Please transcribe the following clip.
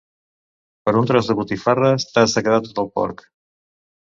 Per un tros de botifarra t'has de quedar tot el porc.